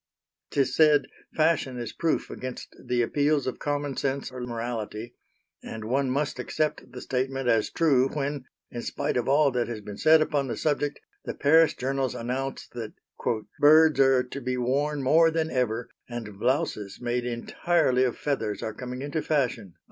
'Tis said fashion is proof against the appeals of common sense or morality, and one must accept the statement as true when, in spite of all that has been said upon the subject, the Paris journals announce that "birds are to be worn more than ever and blouses made entirely of feathers are coming into fashion."